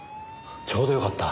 ちょうどよかった。